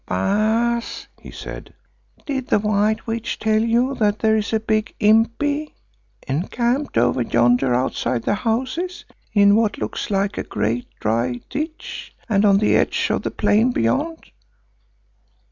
"Baas," he said, "did the White Witch tell you that there is a big impi encamped over yonder outside the houses, in what looks like a great dry ditch, and on the edge of the plain beyond?"